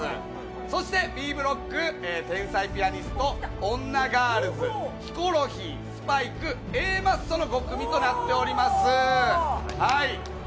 そしてＢブロック、天才ピアニスト、女ガールズ、ヒコロヒー、スパイク、Ａマッソの５組となっております。